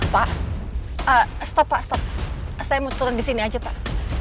pak stop pak stop saya mau turun di sini aja pak